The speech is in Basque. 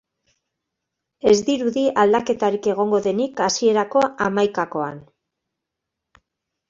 Ez dirudi aldaketarik egongo denik hasierako hamaikakoan.